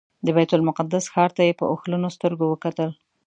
د بیت المقدس ښار ته یې په اوښلنو سترګو وکتل.